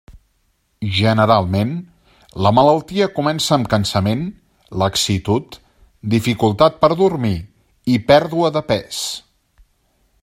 Generalment, la malaltia comença amb cansament, laxitud, dificultat per dormir i pèrdua de pes.